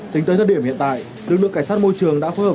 tính tới thời điểm hiện tại lực lượng cảnh sát môi trường đã phối hợp